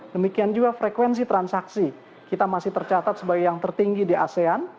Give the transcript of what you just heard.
demikian juga frekuensi transaksi kita masih tercatat sebagai yang tertinggi di asean